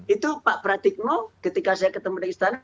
itu pak pratikno ketika saya ketemu di istana